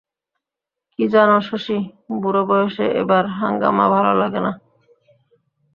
কী জানো শশী, বুড়োবয়সে এসব হাঙ্গামা ভালো লাগে না।